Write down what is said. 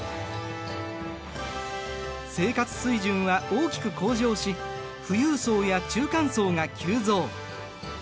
生活水準は大きく向上し富裕層や中間層が急増。